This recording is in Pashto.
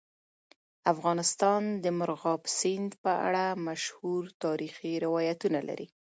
افغانستان د مورغاب سیند په اړه مشهور تاریخي روایتونه لري.